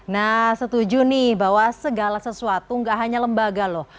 nah setuju nih bahwa segala sesuatu nggak hanya lembaga loh